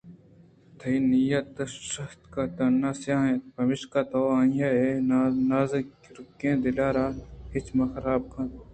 تئی نیت سُہتگءُ ُتین ءَ سیاہ اِنت پمشکا تو آئیءِ نازُرکیں دل ءَرا اچ من حراب کُتگ